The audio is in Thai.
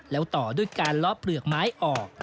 แล้วต่อด้วยการล้อเปลือกไม้ออก